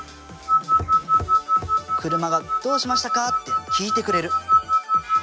車が「どうしましたか？」って聞いてくれる。